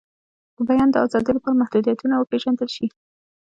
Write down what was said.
د بیان د آزادۍ لپاره محدودیتونه وپیژندل شي.